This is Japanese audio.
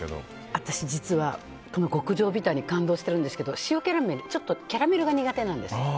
私、実は極上ビターに感動してるんですけど塩キャラメル、ちょっとキャラメルが苦手なんです。